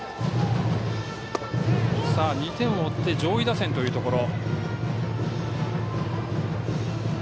２点をとって上位打線というところ。